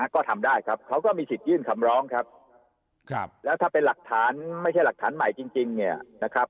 ก็ทำได้ครับเขาก็มีสิทธิยื่นคำร้องครับแล้วถ้าเป็นหลักฐานไม่ใช่หลักฐานใหม่จริงเนี่ยนะครับ